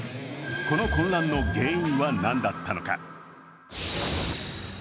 この混乱の原因は何だったのか。